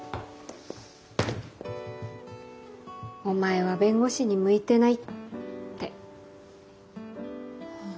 お前は弁護士に向いてないって。